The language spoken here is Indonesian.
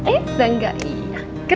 eh udah gak